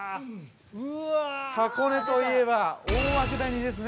箱根といえば大涌谷ですね。